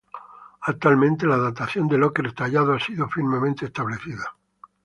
Actualmente, la datación del ocre tallado ha sido firmemente establecida.